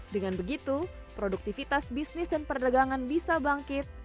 dengan begitu produktivitas bisnis dan perdagangan bisa bangkit